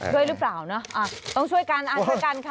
ด้วยหรือเปล่าต้องช่วยกันอาจจะกันค่ะ